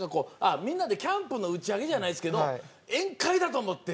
みんなでキャンプの打ち上げじゃないですけど宴会だと思って。